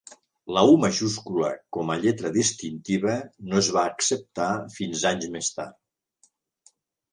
La 'U' majúscula com a lletra distintiva no es va acceptar fins anys més tard.